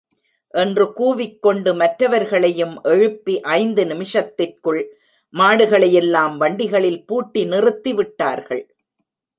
என்று கூவிக் கொண்டு மற்றவர்களையும் எழுப்பி ஐந்து நிமிஷத்திற்குள், மாடுகளை யெல்லாம் வண்டிகளில் பூட்டி நிறுத்தி விட்டார்கள்!